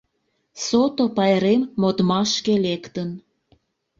Сото пайрем модмашке лектын.